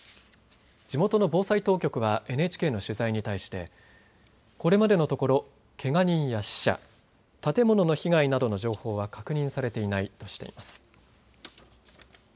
地元の防災当局はＮＨＫの取材に対してこれまでのところ、けが人や死者、建物の被害などの情報は確認されていないとしています。